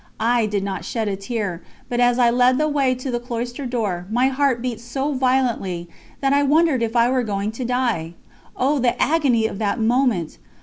I did not shed a tear, but as I led the way to the cloister door my heart beat so violently that I wondered if I were going to die. Oh, the agony of that moment!